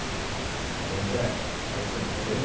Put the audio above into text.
サイレンくらいしょっちゅう鳴ってるでしょ。